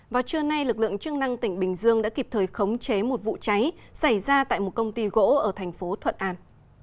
vào trưa nay lực lượng chức năng tỉnh bình dương đã kịp thời khống chế một vụ cháy xảy ra tại một công ty gỗ ở thành phố thuận an